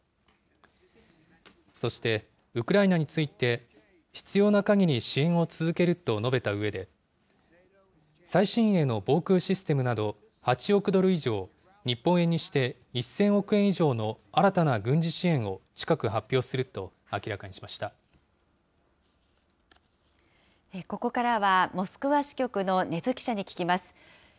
そして、ウクライナについて、必要なかぎり支援を続けると述べたうえで、最新鋭の防空システムなど８億ドル以上、日本円にして１０００億円以上の新たな軍事支援を近く発表するとここからは、モスクワ支局の禰津記者に聞きます。